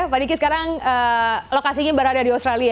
pak diki sekarang lokasinya berada di australia